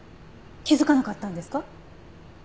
気づかなかったんですか？